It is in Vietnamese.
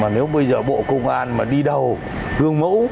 nếu bây giờ bộ công an mà đi đầu gương mẫu